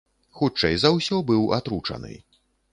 Хутчэй за ўсё, быў атручаны.